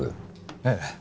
ええ。